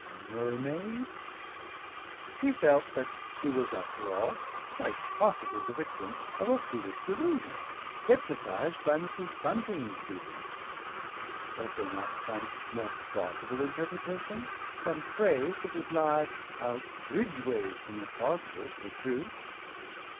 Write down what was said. Mermaids? He felt that he was after all quite possibly the victim of a foolish delusion, hypnotised by Mrs. Bunting's beliefs. Was there not some more plausible interpretation, some phrase that would lie out bridgeways from the plausible to the truth?